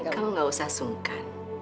kamu gak usah sungkan